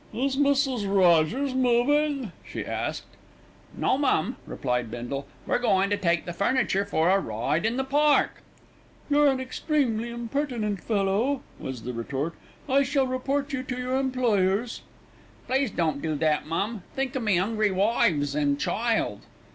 "Is Mrs. Rogers moving?" she asked. "No, mum," replied Bindle, "we're goin' to take the furniture for a ride in the park." "You're an extremely impertinent fellow," was the retort. "I shall report you to your employers." "Please don't do that, mum; think o' me 'ungry wives an' child."